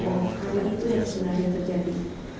karena itu yang sebenarnya terjadi